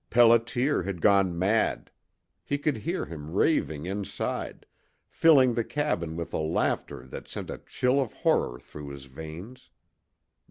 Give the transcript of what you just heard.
Pelliter had gone mad! He could hear him raving inside, filling the cabin with a laughter that sent a chill of horror through his veins.